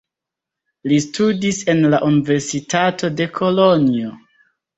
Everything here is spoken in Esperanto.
Li studis en la universitato de Kolonjo.